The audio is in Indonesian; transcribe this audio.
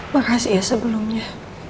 makasih ya sebelumnya